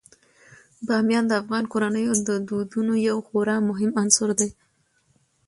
بامیان د افغان کورنیو د دودونو یو خورا مهم عنصر دی.